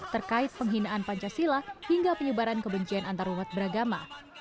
terkait penghinaan pancasila hingga penyebaran kebencian antarumat beragama